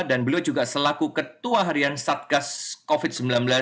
dan beliau juga selaku ketua harian satgas covid sembilan belas